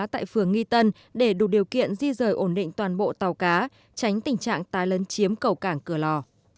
tại phường nghi tân để đủ điều kiện di rời ổn định toàn bộ tàu cá tránh tình trạng tai lấn chiếm cầu cảng cửa lò